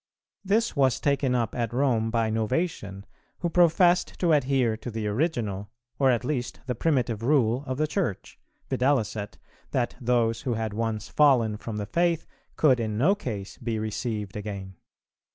This was taken up at Rome by Novatian, who professed to adhere to the original, or at least the primitive rule of the Church, viz. that those who had once fallen from the faith could in no case be received again.